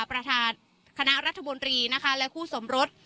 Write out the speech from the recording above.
ประธานคณะรัฐมนตรีนะคะและคู่สมรส